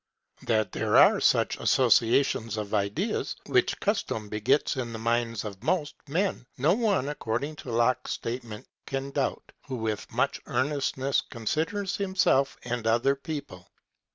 That there are such associations of ideas, which custom begets in the minds of most men, no one, according to Locke's statement, can doubt, who with much earnestness considers himself and other people.